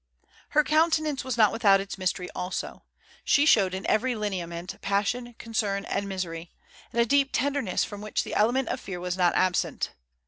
Her countenance was not without its mystery also. She showed in every lineament passionate concern and misery, and a deep tenderness from which the element of fear was not absent.